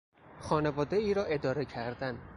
خانوادهای را اداره کردن